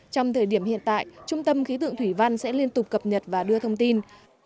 trong thời điểm hiện tại trung tâm khí tượng thủy văn sẽ liên tục cập nhật và đưa thông tin